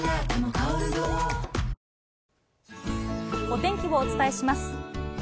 お天気をお伝えします。